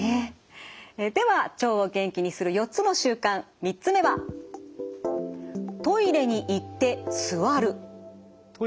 では「腸を元気にする４つの習慣」３つ目は「トイレに行って座る」